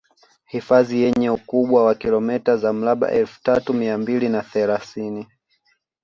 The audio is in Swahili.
hifadhi yenye ukubwa wa kilomita za mraba elfu tatu mia mbili na thelathini